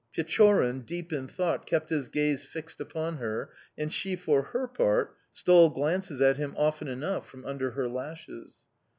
Pechorin, deep in thought, kept his gaze fixed upon her, and she, for her part, stole glances at him often enough from under her lashes.